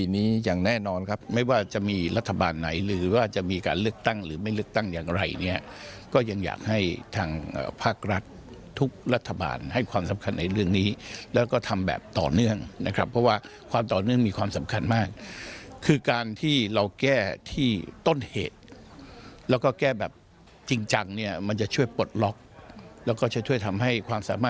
นี้อย่างแน่นอนครับไม่ว่าจะมีรัฐบาลไหนหรือว่าจะมีการเลือกตั้งหรือไม่เลือกตั้งอย่างไรเนี่ยก็ยังอยากให้ทางภาครัฐทุกรัฐบาลให้ความสำคัญในเรื่องนี้แล้วก็ทำแบบต่อเนื่องนะครับเพราะว่าความต่อเนื่องมีความสำคัญมากคือการที่เราแก้ที่ต้นเหตุแล้วก็แก้แบบจริงจังเนี่ยมันจะช่วยปลดล็อกแล้วก็จะช่วยทำให้ความสามารถ